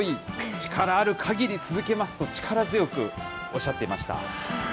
力あるかぎり続けますと、力強くおっしゃっていました。